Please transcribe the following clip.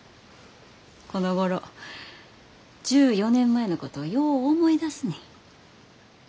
このごろ１４年前のことよう思い出すねん。